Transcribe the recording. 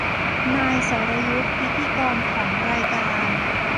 นายสรยุทธพิธีกรของรายการ